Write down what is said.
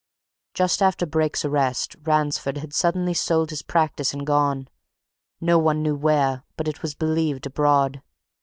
Just after Brake's arrest, Ransford had suddenly sold his practice and gone no one knew where, but it was believed abroad.